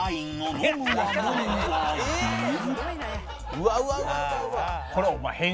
うわうわうわうわ！」